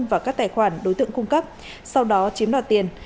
vào các tài khoản đối tượng cung cấp sau đó chiếm đoạt tiền